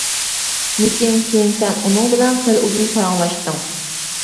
لېكىن كېيىن سەن ئۇنىڭ بىلەن خېلى ئۇزۇن پاراڭلاشتىڭ.